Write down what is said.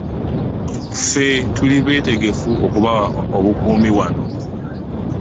Ffe tuli beetegefu okubawa obukuumi wano.